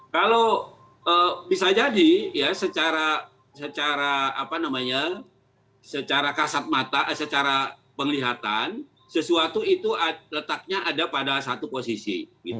kalau bisa jadi ya secara kasat mata secara penglihatan sesuatu itu letaknya ada pada satu posisi